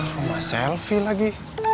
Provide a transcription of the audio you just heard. rumah selfie lagi